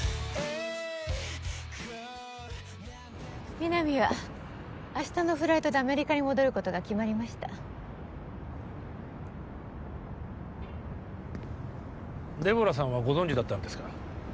皆実は明日のフライトでアメリカに戻ることが決まりましたデボラさんはご存じだったんですか？